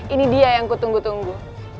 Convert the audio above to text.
ini dia yang kutunggu tunggu